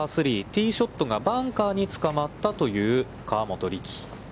ティーショットがバンカーにつかまったという河本力。